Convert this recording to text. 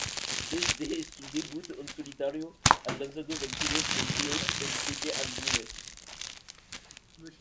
Desde su debut en solitario, ha lanzado veintidós sencillos y siete álbumes.